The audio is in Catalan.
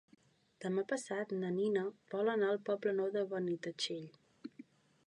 Demà passat na Nina vol anar al Poble Nou de Benitatxell.